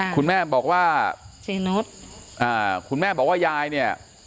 คุณแม่บอกว่าเจนุสคุณแม่บอกว่ายายเนี่ย